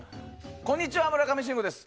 こんにちは、村上信五です。